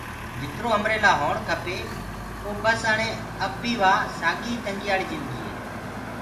جِترو همري لآ هوڻ کپي پو بس اَڻي اب بي وا ساڳي تنگایاݪ جِندگي هي۔